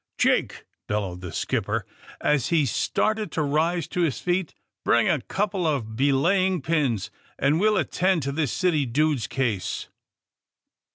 *^Jake," bellowed the skipper as he started to rise to his feet, bring a couple of belaying pins and we'll attend to this city dude's case.'